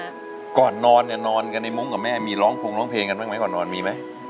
บ๊วยบ๊วยบ๊วยบ๊วยบ๊วยก่อนนอนเนี่ยนอนกันไอ้มุ้งกับแม่มีร้องภูมิร้องเพลงกันไหมก่อนนอนมีไหม